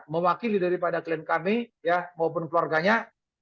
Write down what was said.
mewakili daripada klien kami maupun keluarganya